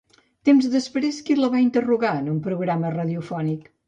Temps després, qui la va interrogar en un programa radiofònic?